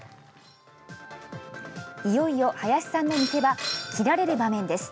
いよいよ林さんの見せ場斬られる場面です。